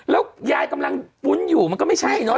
แล้วยายกำลังฟุ้นอยู่มันก็ไม่ใช่เนอะ